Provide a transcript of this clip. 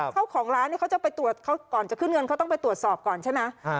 เจ้าของร้านเขาจะไปตรวจเขาก่อนจะขึ้นเงินเขาต้องไปตรวจสอบก่อนใช่ไหม